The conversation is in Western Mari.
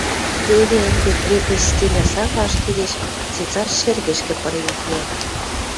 Теве ӹнде крепость стенӓ сага ашкедеш, цецаш шӹргӹшкӹ пырен кеӓ